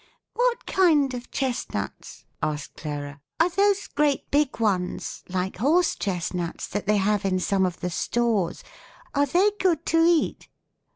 "What kind of chestnuts," asked Clara, "are those great big ones, like horse chestnuts, that they have in some of the stores? Are they good to eat?"